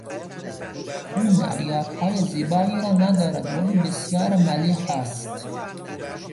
او معیارهای زیبایی را ندارد ولی بسیار ملیح است.